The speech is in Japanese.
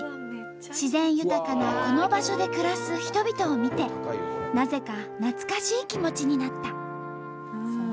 自然豊かなこの場所で暮らす人々を見てなぜか懐かしい気持ちになった。